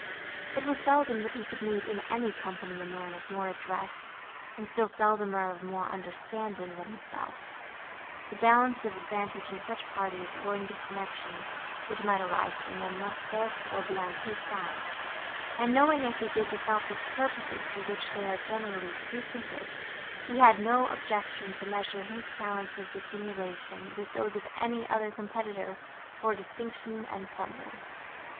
It was seldom, that he could meet in any company a man of more address, and still seldomer one of more understanding, than himself; the balance of advantage in such parties, or in the connections, which might arise from them, must, therefore, be on his side; and, knowing, as he did, the selfish purposes, for which they are generally frequented, he had no objection to measure his talents of dissimulation with those of any other competitor for distinction and plunder.